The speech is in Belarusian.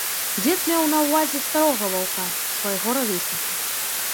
Дзед меў на ўвазе старога ваўка, свайго равесніка.